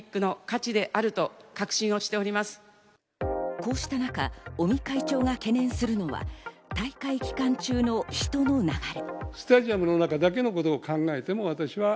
こうした中、尾身会長が懸念するのは大会期間中の人の流れ。